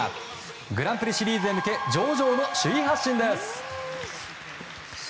グランプリシリーズへ向け上々の首位発進です。